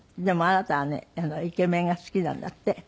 でもあなたはねイケメンが好きなんだって。